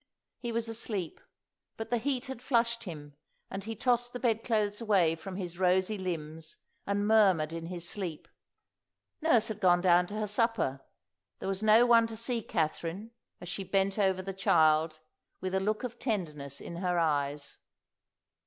He was asleep; but the heat had flushed him, and he tossed the bed clothes away from his rosy limbs and murmured in his sleep. Nurse had gone down to her supper; there was no one to see Katherine as she bent over the child with a look of tenderness in her eyes.